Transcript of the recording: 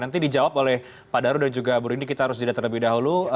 nanti dijawab oleh pak daru dan juga bu rini kita harus jeda terlebih dahulu